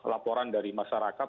laporan dari masyarakat